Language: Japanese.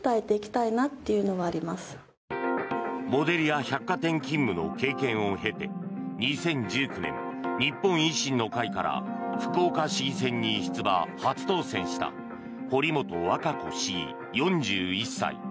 モデルや百貨店勤務の経験を経て２０１９年、日本維新の会から福岡市議選に出馬・初当選した堀本和歌子市議、４１歳。